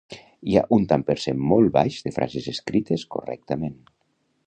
Hi ha un tant per cent molt baix de frases escrites correctament